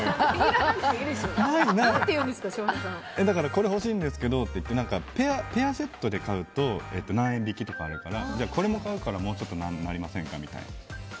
これ欲しいんですけどって言って、ペアセットで買うと何円引きとかあるからこれも買うからもうちょっと何とかなりませんかって。